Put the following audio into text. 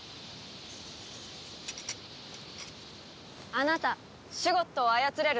あなたシュゴッドを操れるの？